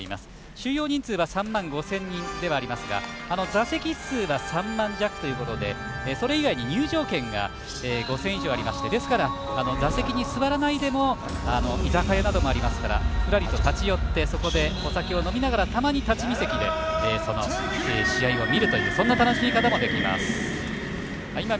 収容人数は３万５０００人ではありますが座席数は３万弱ということでそれ以外に入場券が５０００以上ありましてですから、座席に座らないでも居酒屋などもありますからふらりと立ち寄ってお酒を飲みながら立ち見席で試合を見るという楽しみ方もできます。